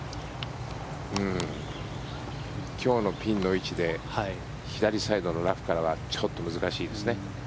今日のピンの位置で左サイドのラフからはちょっと難しいですね。